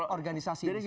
mengorganisasi ini semua